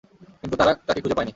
কিন্তু তারা তাকে খুঁজে পায়নি।